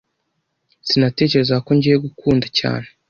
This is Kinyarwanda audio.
Sinatekerezaga ko ngiye kugukunda cyane.